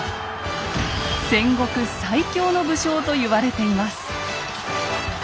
戦国最強の武将と言われています。